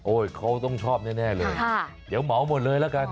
โอ๊ยเค้าจะชอบแน่ใหม่ก็ะเดี๋ยวหมอหมดเลยแล้วกัน